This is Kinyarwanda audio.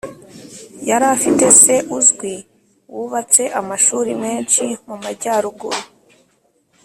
Yari afite se uzwi wubatse amashuri menshi mu majyaruguru